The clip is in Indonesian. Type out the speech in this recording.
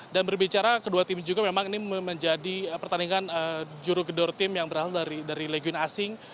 dan berbicara kedua tim juga memang ini menjadi pertandingan juru gedor tim yang berhasil dari legion asing